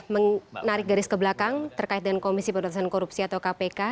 menarik garis ke belakang terkait dengan komisi pemerintahan korupsi atau kpk